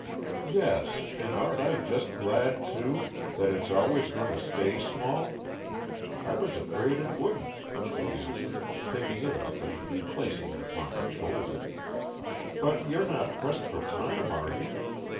"Yes, and aren't I just glad too, that it's always going to stay small. I was afraid it wouldn't," she answered, picking it up and replacing it upon her shoulder. "But you're not pressed for time, are you?